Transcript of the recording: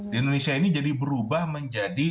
di indonesia ini jadi berubah menjadi